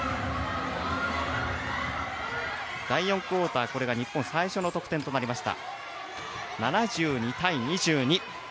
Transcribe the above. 第４クオーターこれが日本最初の得点となりました。